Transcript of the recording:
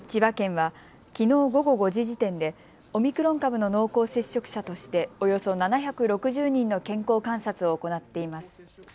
千葉県は、きのう午後５時時点でオミクロン株の濃厚接触者としておよそ７６０人の健康観察を行っています。